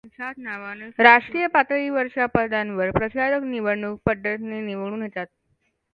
राष्ट्रीय पातळीवरच्या पदांवर प्रचारक निवडणूक पद्धतीने निवडून येतात.